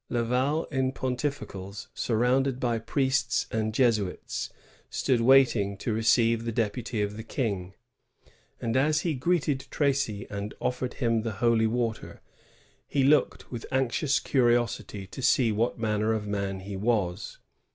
Laval in pontificals, surrounded by priests and Jesuits, stood waiting to receive the deputy of the King; and as he greeted Tracy and offered him the holy water, he looked with anxious curiosity to see what manner of man he was.